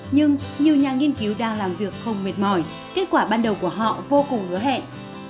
nhưng nhiều nhà nghiên cứu đang làm việc không mệt mỏi kết quả ban đầu của họ vô cùng hứa hẹn